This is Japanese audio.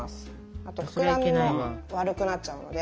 あとふくらみも悪くなっちゃうので。